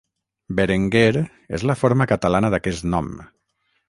Berenguer és la forma catalana d'aquest nom.